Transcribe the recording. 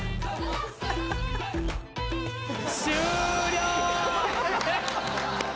終了！